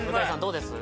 どうです？